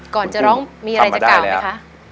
ก่อนจะร้องมีอะไรจะกล่าวไหมคะ